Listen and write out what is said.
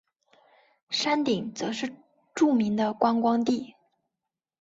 山顶则是著名的观光地。